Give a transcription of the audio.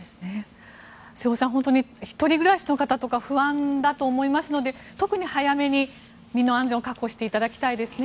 瀬尾さん、本当に１人暮らしの方とか不安だと思いますので特に早めに身の安全を確保していただきたいですね。